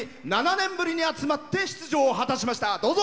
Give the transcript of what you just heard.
７年ぶりに集まって出場を果たしました。